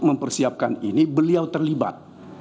mempersiapkan ini beliau terlibat